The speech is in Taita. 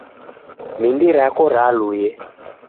Mindi rako ralue.